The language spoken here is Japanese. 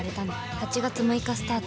８月６日スタート。